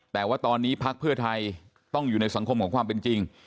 แต่ว่าตอนนี้พักเพื่อไทยต้องอยู่ในสังคมของความเป็นจริง